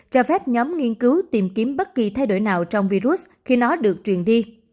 cho phép nhóm nghiên cứu tìm kiếm bất kỳ thay đổi nào trong virus khi nó được truyền đi